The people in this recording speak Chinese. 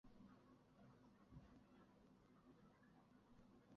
目前是桃园县沿海乡镇居民的信仰中心之一。